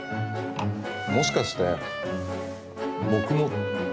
もしかして僕も。